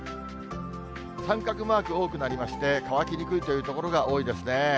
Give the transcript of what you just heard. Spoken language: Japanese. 三角マーク多くなりまして、乾きにくいという所が多いですね。